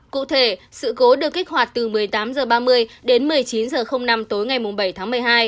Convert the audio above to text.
cụ thể sự cố được kích hoạt từ một mươi tám h ba mươi đến một mươi chín h năm tối ngày bảy tháng một mươi hai